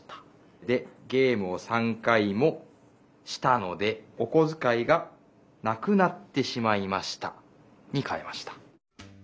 で「ゲームを３かいも『したので』おこづかいが『なくなってしまいました』」にかえました。